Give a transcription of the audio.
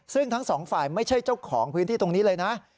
ซึ่งทั้งสองฝ่ายไม่ใช่เจ้าของพื้นที่ตรงนี้เลยนะ